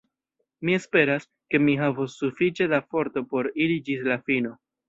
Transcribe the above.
Mi esperas, ke mi havos sufiĉe da forto por iri ĝis la fino.